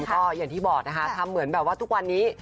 ก็อย่างที่บอกนะคะทำเหมือนแบบว่าทุกวันนี้